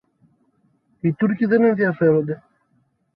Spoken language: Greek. Οι Τούρκοι δεν ενδιαφέρονται